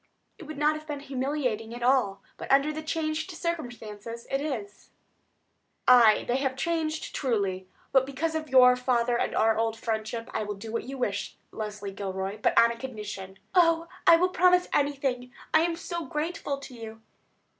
"It would not have been humiliating at all; but, under the changed circumstances, it is." "Aye; they have changed, truly. But because of your father and our old friendship, I will do what you wish, Leslie Gilroy; but on a condition." "Oh, I will promise anything, I am so grateful to you."